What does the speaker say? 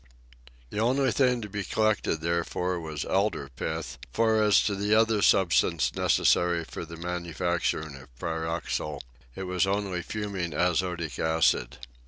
The only thing to be collected, therefore, was elder pith, for as to the other substance necessary for the manufacture of pyroxyle, it was only fuming azotic acid.